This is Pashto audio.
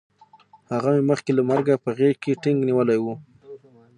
هغه مې مخکې له مرګه په غېږ کې ټینګ نیولی وی